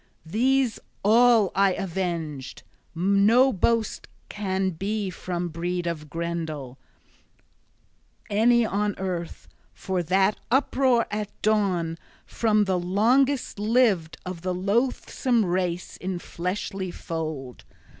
These all I avenged. No boast can be from breed of Grendel, any on earth, for that uproar at dawn, from the longest lived of the loathsome race in fleshly fold!